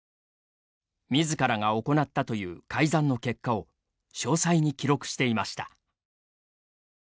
みずからが行ったという改ざんの結果を詳細に記録していました。